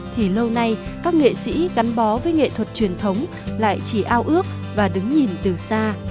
thì lâu nay các nghệ sĩ gắn bó với nghệ thuật truyền thống lại chỉ ao ước và đứng nhìn từ xa